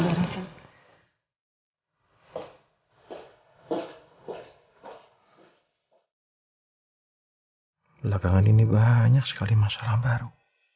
belakangan ini banyak sekali masalah baru